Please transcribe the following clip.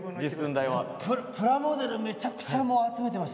プラモデルめちゃくちゃ集めてました。